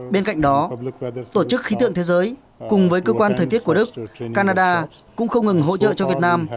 bên cạnh đó tổ chức khí tượng thế giới cùng với cơ quan thời tiết của đức canada cũng không ngừng hỗ trợ cho việt nam